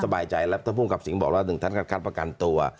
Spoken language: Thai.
บายใจแล้วท่านภูมิกับสิงห์บอกว่าหนึ่งท่านก็คัดประกันตัว